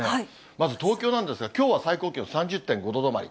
まず、東京なんですが、きょうは最高気温３０．５度止まり。